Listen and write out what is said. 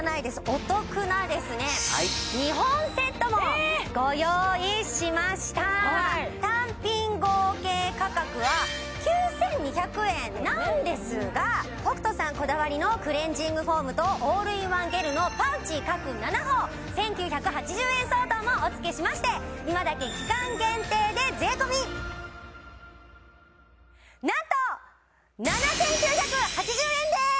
お得な２本セットもご用意しました単品合計価格は９２００円なんですが北斗さんこだわりのクレンジングフォームとオールインワンゲルのパウチ各７本１９８０円相当もおつけしまして今だけ期間限定で税込なんと７９８０円です！